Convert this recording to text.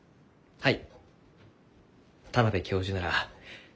はい。